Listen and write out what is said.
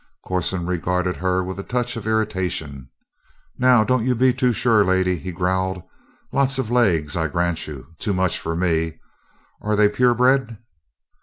Corson regarded her with a touch of irritation: "Now, don't you be too sure, lady," he growled. "Lots of legs, I grant you. Too much for me. Are they pure bred?"